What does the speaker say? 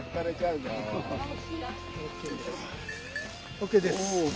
ＯＫです。